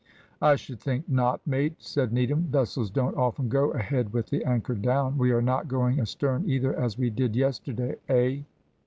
"`I should think not, mate,' said Needham, `vessels don't often go ahead with the anchor down. We are not going astern either, as we did yesterday, eh?'